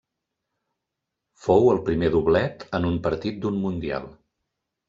Fou el primer doblet en un partit d'un Mundial.